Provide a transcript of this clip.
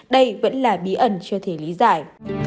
đây vẫn là bí ẩn chưa thể lý giải